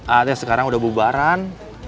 atau teh sekarang udah bubaran